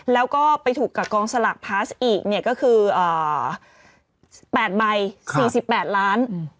แล้วก็ไปถูกกับกองสลากพลัสอีกเนี่ยก็คือ๘ใบ๔๘ล้าน